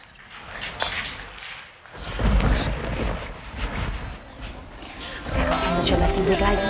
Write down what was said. sekarang sampai coba tidur lagi